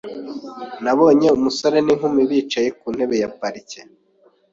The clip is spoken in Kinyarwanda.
Nabonye umusore n'inkumi bicaye ku ntebe ya parike .